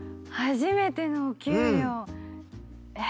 初めてのお給料。